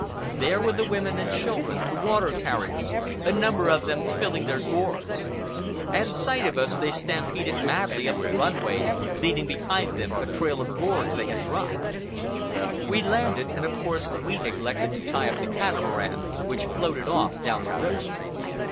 There were the women and children, the water carriers, a number of them, filling their gourds. At sight of us they stampeded madly up the run ways, leaving behind them a trail of gourds they had dropped. We landed, and of course we neglected to tie up the catamaran, which floated off down the river.